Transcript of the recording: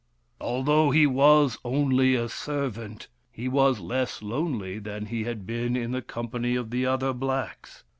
Although he was only a servant, he was less lonely than he had been in the company of the other blacks.